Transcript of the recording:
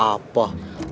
yang ini udah kecium